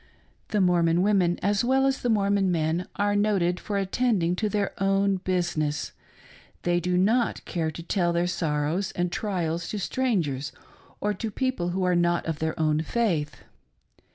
The Mormon women, as well as the Mormon men, are noted for attending to their own business — they do not care to tell their sorrows and trials to strangers or to people who are not of their own faith.